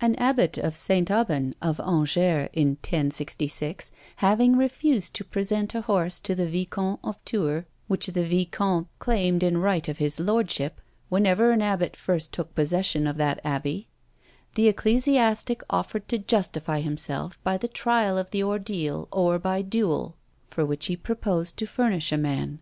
An abbot of St. Aubin, of Angers, in 1066, having refused to present a horse to the Viscount of Tours, which the viscount claimed in right of his lordship, whenever an abbot first took possession of that abbey, the ecclesiastic offered to justify himself by the trial of the ordeal, or by duel, for which he proposed to furnish a man.